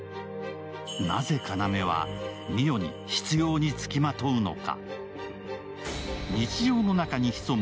なぜ、要は澪に執ようにつきまとうのか？